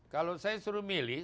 kalau saya suruh milih